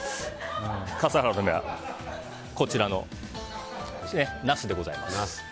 笠原の眼はこちらのナスでございます。